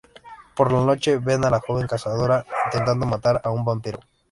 Por la noche ven a la joven Cazadora intentando matar a un vampiro.